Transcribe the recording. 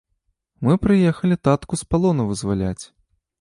Мы прыехалі татку з палону вызваляць.